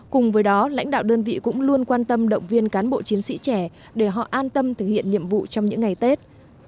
cùng với đó lãnh đạo đơn vị cũng luôn quan tâm động viên cán bộ chiến sĩ trẻ để họ an tâm thực hiện nhiệm vụ trong những ngày tết